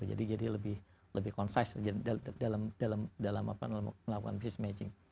jadi jadi lebih lebih concise dalam dalam apa melakukan business matching